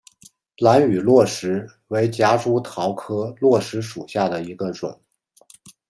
兰屿络石为夹竹桃科络石属下的一个种。